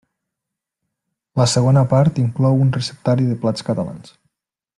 La segona part inclou un receptari de plats catalans.